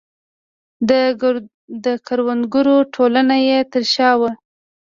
د کروندګرو ټولنه یې تر شا وه.